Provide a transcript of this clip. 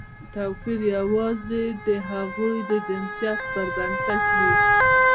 توپیر یوازې د هغوی د جنسیت پر بنسټ وي.